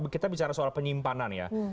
kita bicara soal penyimpanan ya